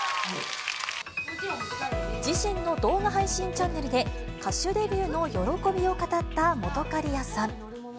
自身の動画配信チャンネルで、歌手デビューの喜びを語った本仮屋さん。